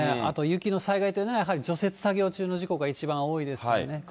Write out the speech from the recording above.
あと雪の災害というのは、やはり除雪作業中の事故が一番多いですからね。